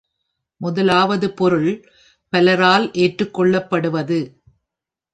முதலாவது பொருள் பலரால் ஏற்றுக் கொள்ளப்படுவது.